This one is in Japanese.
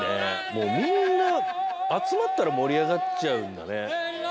もうみんな集まったら盛り上がっちゃうんだね。